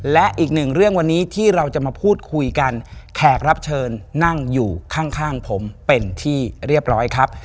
และอีกหนึ่งเรื่องวันนี้ที่เราจะมาพูดคุยกันแขกรับเชิญนั่งอยู่ข้างผมเป็นที่เรียบร้อยครับ